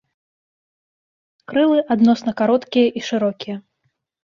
Крылы адносна кароткія і шырокія.